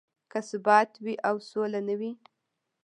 که ثبات وي او سوله نه وي.